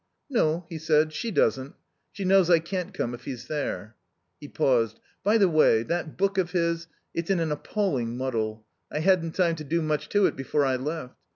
"No," he said, "she doesn't. She knows I can't come if he's there." He paused. "By the way, that book of his, it's in an appalling muddle. I hadn't time to do much to it before I left.